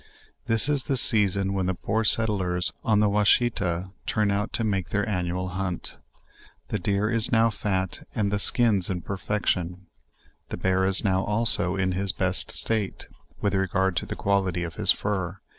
This is the season when the poor settlers on the Washita turn out to make their annual hunt. The deer is now fat and the sldns in perfection; the bear is now also in his best state, with regard to the quality of his fur.